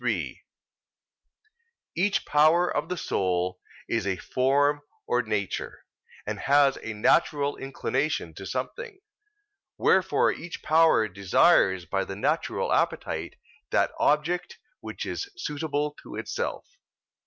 3: Each power of the soul is a form or nature, and has a natural inclination to something. Wherefore each power desires by the natural appetite that object which is suitable to itself.